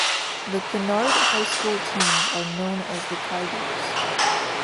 The Kennard High School teams are known as the Tigers.